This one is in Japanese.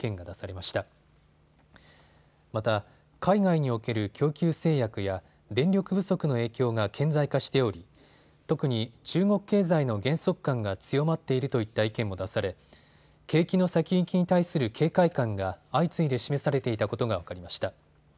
また海外における供給制約や電力不足の影響が顕在化しており特に中国経済の減速感が強まっているといった意見も出され、景気の先行きに対する警戒感が相次いで示されていたことが分かりました。